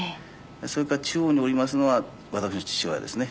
それから中央におりますのは私の父親ですね。